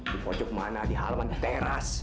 di pojok mana di halaman teras